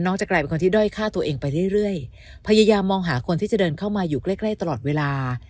จะกลายเป็นคนที่ด้อยฆ่าตัวเองไปเรื่อยพยายามมองหาคนที่จะเดินเข้ามาอยู่ใกล้ใกล้ตลอดเวลา